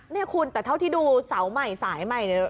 นี่คุณแต่เท่าที่ดูเสาใหม่สายใหม่เนี่ย